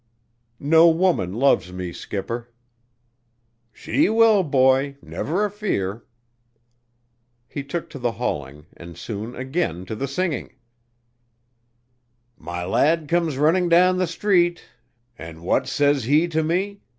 "No woman loves me, skipper." "She will, boy never a fear." He took to the hauling, and soon again to the singing: "My lad comes running down the street, And what says he to me?